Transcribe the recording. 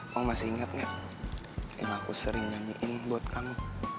kamu masih ingat nggak yang aku sering nyanyiin buat kamu